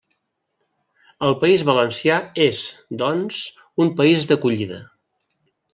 El País Valencià és, doncs, un país d'acollida.